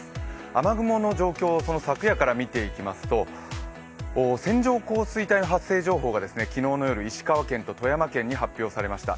雨雲の状況を昨夜から見ていきますと線状降水帯発生情報が昨日の夜、石川県と富山県に発表されました。